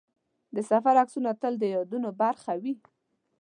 د سفر عکسونه تل د یادونو برخه وي.